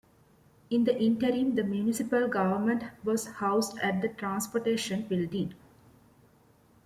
In the interim the municipal government was housed at the Transportation Building.